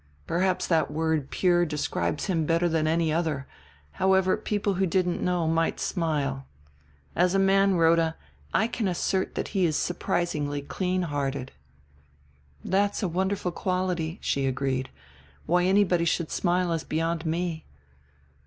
Perhaps that word pure describes him better than any other, however people who didn't know might smile. As a man, Rhoda, I can assert that he is surprisingly clean hearted." "That's a wonderful quality," she agreed; "why anyone should smile is beyond me.